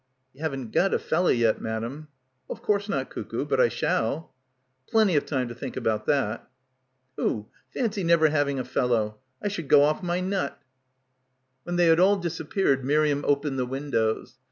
"You haven't got a fella yet, madam." "Of course not, cuckoo. But I shall." "Plenty of time to think about that." "Hoo. Fancy never having a fellow. I should go off my nut." — 121 — PILGRIMAGE When they had all disappeared Miriam opened the windows.